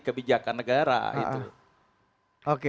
kebijakan negara oke